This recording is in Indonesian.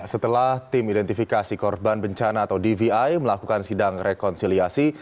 setelah tim identifikasi korban bencana atau dvi melakukan sidang rekonsiliasi